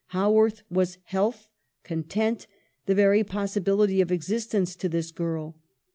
Haworth was health, content, the very possibility of existence to this girl.